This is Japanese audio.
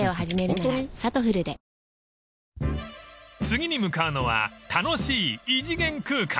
［次に向かうのは楽しい異次元空間］